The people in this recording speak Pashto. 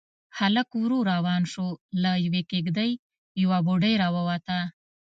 هلک ورو روان شو، له يوې کېږدۍ يوه بوډۍ راووته.